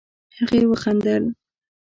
هغې وخندل.